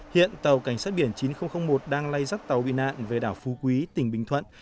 hiện tàu cảnh sát biển chín nghìn một đang lây dắt tàu bị nạn về đảo phú quý tỉnh bình thuận